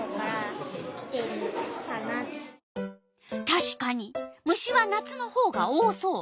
たしかに虫は夏のほうが多そう。